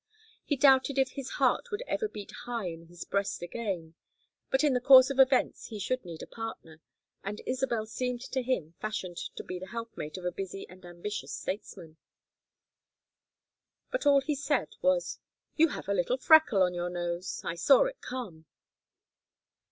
He doubted if his heart would ever beat high in his breast again, but in the course of events he should need a partner, and Isabel seemed to him fashioned to be the helpmate of a busy and ambitious statesman. But all he said was: "You have a little freckle on your nose. I saw it come."